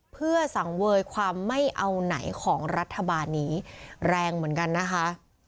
เพื่อสังเวยความไม่เอาไหนของรัฐบาลนี้แรงเหมือนกันนะคะ